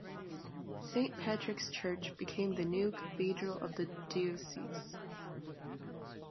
Saint Patrick’s Church became the new cathedral of the diocese.